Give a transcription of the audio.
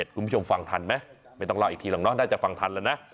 คุณผู้ชมฟังทันไหมไม่ต้องเล่าอีกทีหรอกเนาะน่าจะฟังทันแล้วนะ